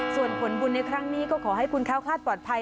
ส่วนผลบุญในครั้งนี้ก็ขอให้คุณแค้วคลาดปลอดภัย